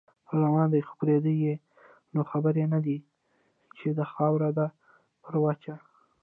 راروان دی خو پردې نو خبر نه دی، چې دا خاوره ده پر وچه